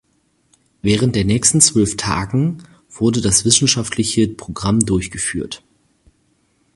Während der nächsten zwölf Tagen wurde das wissenschaftliche Programm durchgeführt.